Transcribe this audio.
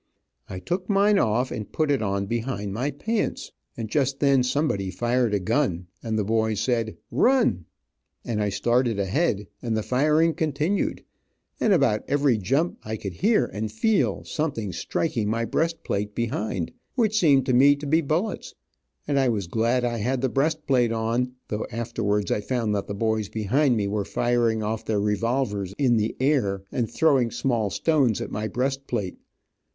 I took mine off and put it on behind my pants, and just then somebody fired a gun, and the boys said "run," and I started ahead, and the firing continued, and about every jump I could hear and feel something striking my breast plate behind, which seemed to me to be bullets, and I was glad I had the breast plate on, though afterwards I found that the boys behind me were firing off their revolvers in the air, and throwing small stones at my breast plate.